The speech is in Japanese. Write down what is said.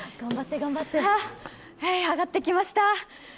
さあ、上がってきました。